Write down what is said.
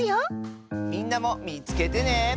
みんなもみつけてね。